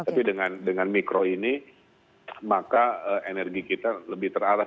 tapi dengan mikro ini maka energi kita lebih terarah